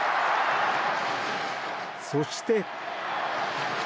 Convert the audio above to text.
そして。